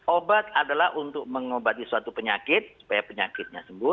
obat adalah untuk mengobati suatu penyakit supaya penyakitnya sembuh